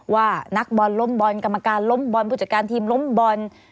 ว่านักบอลล้มบอลกรรมการล้มบอลผู้จัดการทีมล้มบอล